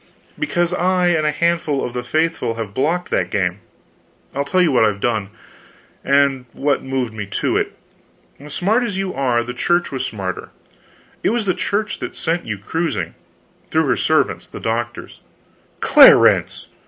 "Because I and a handful of the faithful have blocked that game. I'll tell you what I've done, and what moved me to it. Smart as you are, the Church was smarter. It was the Church that sent you cruising through her servants, the doctors." "Clarence!"